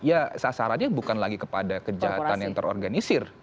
ya sasarannya bukan lagi kepada kejahatan yang terorganisir